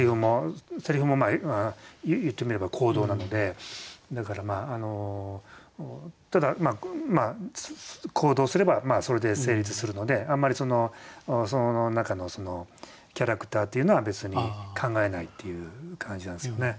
セリフも言ってみれば行動なのでだからただ行動すればそれで成立するのであんまりその中のキャラクターっていうのは別に考えないっていう感じなんですよね。